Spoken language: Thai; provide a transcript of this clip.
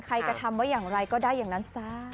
ใครจะทำไว้อย่างไรก็ได้อย่างนั้นซะ